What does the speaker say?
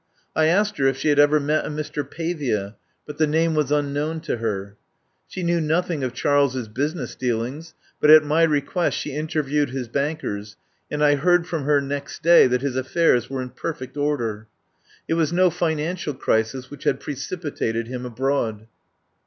I asked her if she had ever met a Mr. Pavia, but the name was un known to her. She knew nothing of Charles's business dealings, but at my request she inter viewed his bankers, and I heard from her next day that his affairs were in perfect order. It was no financial crisis which had precipitated him abroad.